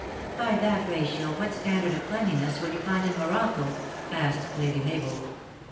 " By that ratio, what standard of cleanliness will you find in Morocco ?" asked Lady Mabel.